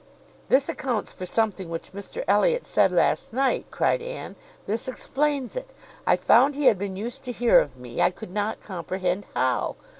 "This accounts for something which Mr Elliot said last night," cried Anne. "This explains it. I found he had been used to hear of me. I could not comprehend how.